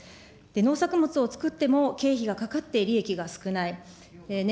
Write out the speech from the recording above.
農作物を作っても、経費がかかって利益が少ない。